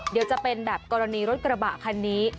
เดี๋ยวจะเป็นแบบกรณีรถกระบะคันนี้